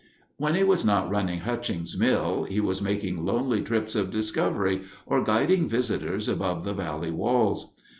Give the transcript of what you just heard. When he was not running Hutchings' mill, he was making lonely trips of discovery or guiding visitors above the valley walls.